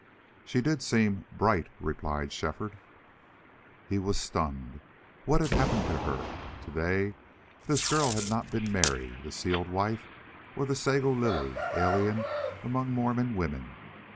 "She did seem bright," replied Shefford. He was stunned. What had happened to her? To day this girl had not been Mary, the sealed wife, or the Sago Lily, alien among Mormon women.